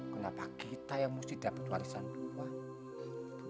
kenapa kita yang mesti dapat warisan uang